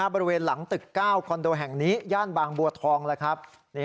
บริเวณหลังตึก๙คอนโดแห่งนี้ย่านบางบัวทองแล้วครับ